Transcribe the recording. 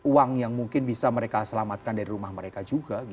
uang yang mungkin bisa mereka selamatkan dari rumah mereka juga